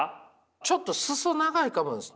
ちょっと裾長いかもです。